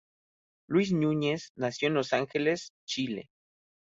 Luis Núñez nació en Los Ángeles, Chile.